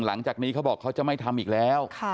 หลังจากนี้เขาบอกเขาจะไม่ทำอีกแล้ว